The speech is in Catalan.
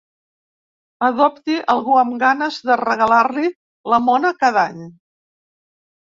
Adopti algú amb ganes de regalar-li la mona cada any.